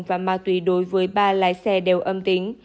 và ma túy đối với ba lái xe đều âm tính